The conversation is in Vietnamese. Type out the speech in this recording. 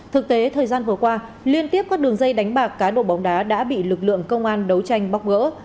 thực tế thời gian vừa qua liên tiếp các đường dây đánh bạc cá độ bóng đá đã bị lực lượng công an đấu tranh bóc gỡ